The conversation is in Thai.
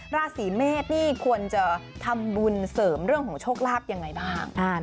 ราศีเมษนี่ควรจะทำบุญเสริมเรื่องของโชคลาภยังไงบ้าง